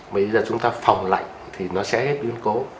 bây giờ chúng ta phòng lạnh thì nó sẽ hết biến cố